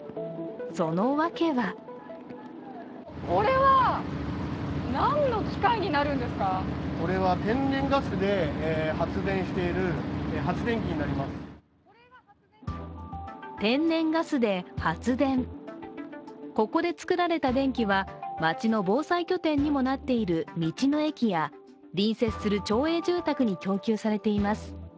そのわけは天然ガスで発電ここで作られた電気は、町の防災拠点にもなっている道の駅や隣接する町営住宅に供給されています。